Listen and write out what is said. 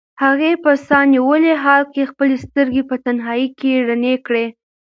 هغې په ساه نیولي حال کې خپلې سترګې په تنهایۍ کې رڼې کړې.